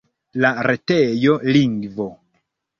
La retejo lingvo.